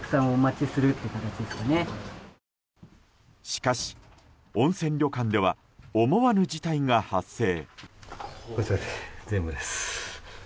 しかし、温泉旅館では思わぬ事態が発生。